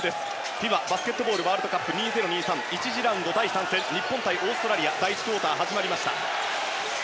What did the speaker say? ＦＩＢＡバスケットボールワールドカップ２０２３１次ラウンド第３戦日本対オーストラリア第１クオーター始まりました。